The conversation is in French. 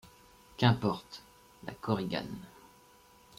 Qu'importe ? LA KORIGANE.